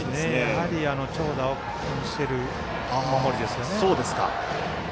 やはり長打を気にしている守りですよね。